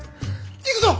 行くぞ！